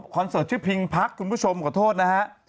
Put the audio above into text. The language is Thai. เสิร์ตชื่อพิงพักคุณผู้ชมขอโทษนะฮะ